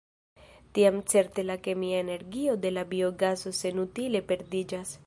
Tiam certe la kemia energio de la biogaso senutile perdiĝas.